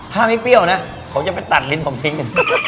ถ้าไม่เปรี้ยวนะผมจะไปตัดลิ้นผมทิ้ง